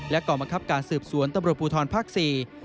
และก่อมังคับการสืบสวนตำรวจพูทรภักษ์สี่